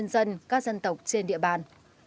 nhân dân các dân tộc trên địa bàn